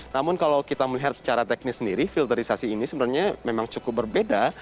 namun kalau kita melihat secara teknis sendiri filterisasi ini sebenarnya memang cukup berbeda